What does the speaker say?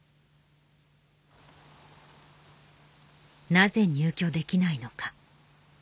なぜ入居できないのか？